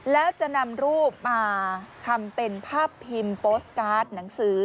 แล้วจะนำรูปมาทำเป็นภาพพิมพ์โพสต์การ์ดหนังสือ